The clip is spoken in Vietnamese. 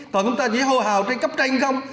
tòa chúng ta chỉ hồ hào trên cấp tranh không